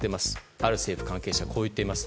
ある政府関係者はこう言っています。